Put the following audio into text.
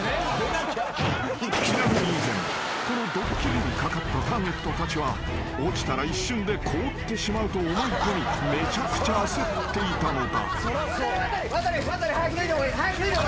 ［ちなみに以前このドッキリにかかったターゲットたちは落ちたら一瞬で凍ってしまうと思い込みめちゃくちゃ焦っていたのだ］